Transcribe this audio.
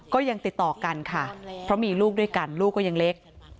ก็ยังติดต่อกันค่ะเพราะมีลูกด้วยกันลูกก็ยังเล็ก